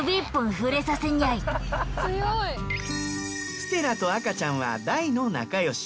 ステラと赤ちゃんは大の仲良し。